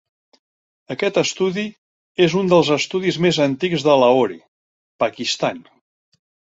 Aquest estudi és un dels estudis més antics de Lahore, Pakistan.